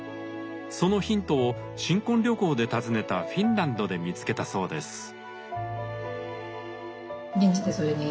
そのヒントを新婚旅行で訪ねたフィンランドで見つけたそうです。